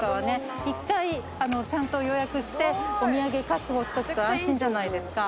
１回ちゃんと予約してお土産確保しとくと安心じゃないですか。